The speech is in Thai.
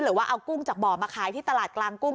หรือว่าเอากุ้งจากบ่อมาขายที่ตลาดกลางกุ้ง